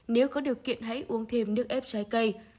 nếu có điều kiện hãy uống thêm nước ép trái cây